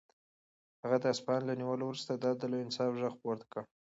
هغه د اصفهان له نیولو وروسته د عدل او انصاف غږ پورته کړ.